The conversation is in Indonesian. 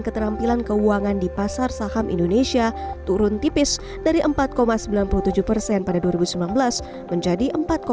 keterampilan keuangan di pasar saham indonesia turun tipis dari empat sembilan puluh tujuh persen pada dua ribu sembilan belas menjadi empat lima